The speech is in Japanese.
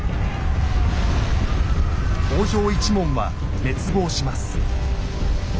北条一門は滅亡します。